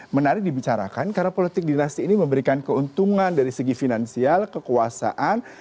menarik dibicarakan karena politik dinasti ini memberikan keuntungan dari segi finansial kekuasaan